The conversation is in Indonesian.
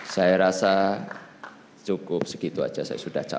saya rasa cukup segitu saja saya sudah capek